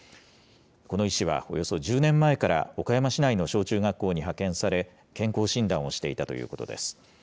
この医師はおよそ１０年前から岡山市内の小中学校に派遣され、健康診断をしていたということです。